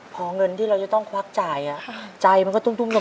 พอเงินที่เราจะต้องควักจ่ายใจมันก็ตุ้มลง